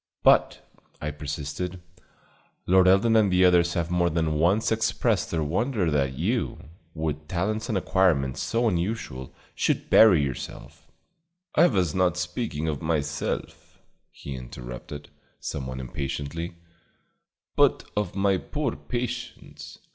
"But," I persisted, "Lord Eldon and others have more than once expressed their wonder that you, with talents and acquirements so unusual, should bury yourself " "I was not speaking of myself," he interrupted, somewhat impatiently, "but of my poor patients.